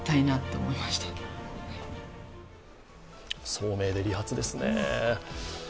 聡明で利発ですね。